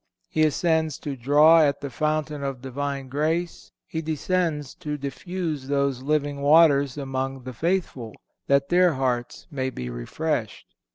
He ascends to draw at the Fountain of Divine grace, he descends to diffuse those living waters among the faithful, that their hearts may be refreshed.